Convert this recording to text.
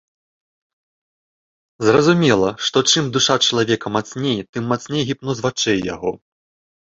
Зразумела, што чым душа чалавека мацней, тым мацней гіпноз вачэй яго.